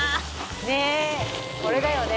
「ねえこれだよね